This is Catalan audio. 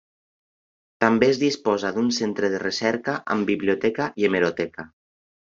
També es disposa d'un centre de recerca amb biblioteca i hemeroteca.